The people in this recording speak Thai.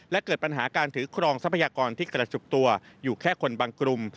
และเกิดปัญหาการถือครองทรัพยากรที่กระจุกตัวอยู่แค่คนบางกลุ่ม